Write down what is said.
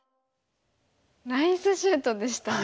ナイスシュートでしたね。